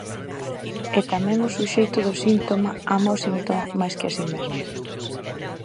E tamén o suxeito do síntoma ama o síntoma máis que a si mesmo.